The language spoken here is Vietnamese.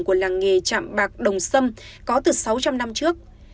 của làng nghề chạm bạc đồng sâm có từ sáu trăm linh năm trước